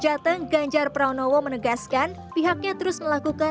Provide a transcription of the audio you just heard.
dan dikurangkan bagian pengemasan anak anak jugafeldisi masyarakat seperti younger woman